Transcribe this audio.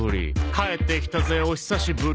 「帰ってきたぜお久しぶり」